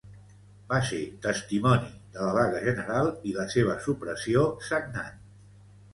Va ser testimoni de la vaga general i la seva supressió sagnant.